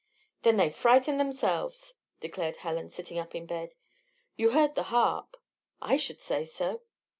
"Then they frightened themselves," declared Helen, sitting up in bed. "You heard the harp?" "I should say so!"